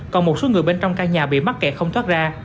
còn một số người bên trong căn nhà bị mắc kẹt không thoát ra